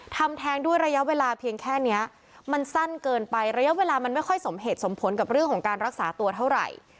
แทงด้วยระยะเวลาเพียงแค่นี้มันสั้นเกินไประยะเวลามันไม่ค่อยสมเหตุสมผลกับเรื่องของการรักษาตัวเท่าไหร่